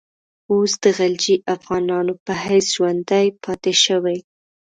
اوس د غلجي افغانانو په حیث ژوندی پاته شوی.